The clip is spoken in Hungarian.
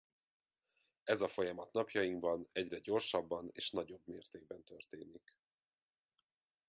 Ez a folyamat napjainkban egyre gyorsabban és nagyobb mértékben történik.